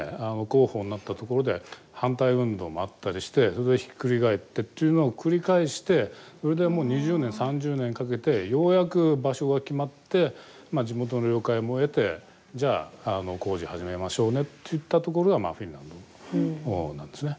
候補になった所で反対運動もあったりしてそれでひっくり返ってというのを繰り返してそれでもう２０年３０年かけてようやく場所が決まってまあ地元の了解も得てじゃあ工事始めましょうねっていったところがまあフィンランドなんですね。